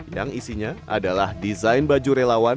yang isinya adalah jokowi yang berada di dalam baju relawan ini